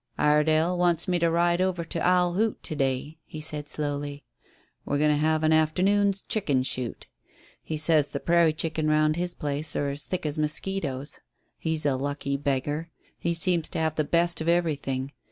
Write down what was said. "Iredale wants me to ride over to Owl Hoot to day," he said slowly. "We're going to have an afternoon's 'chicken shoot.' He says the prairie chicken round his place are as thick as mosquitoes. He's a lucky beggar. He seems to have the best of everything.